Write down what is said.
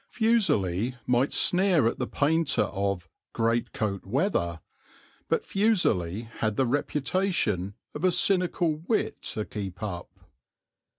Fuseli might sneer at the painter of "great coat weather," but Fuseli had the reputation of a cynical wit to keep up.